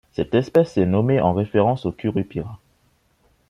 Cette espèce est nommée en référence au Curupira.